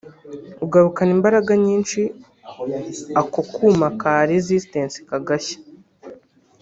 ugarukana imbaraga nyinshi ako kuma ka “resistance” kagashya